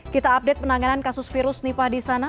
kita update penanganan kasus virus nipah di sana